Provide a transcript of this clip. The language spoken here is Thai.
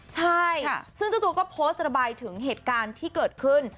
ใช่ซึ่งเจ้าตัวก็โพสต์ระบายถึงเหตุการณ์ที่เกิดขึ้น